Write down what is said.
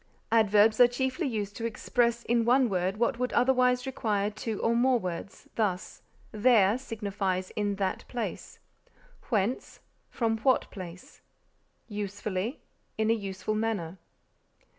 Adverbs are chiefly used to express in one word what would otherwise require two or more words; thus, There signifies in that place; whence, from what place; usefully, in a useful manner.